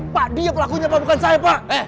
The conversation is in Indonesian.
pak dia pelakunya pak bukan saya pak